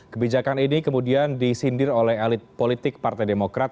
kebijakan ini kemudian disindir oleh elit politik partai demokrat